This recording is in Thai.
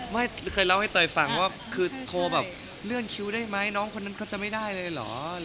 ไม่เคยเล่าให้เตยฟังว่าคือโทรแบบเลื่อนคิวได้ไหมน้องคนนั้นเขาจะไม่ได้เลยเหรอ